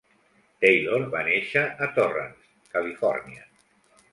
Taylor va néixer a Torrance, Califòrnia.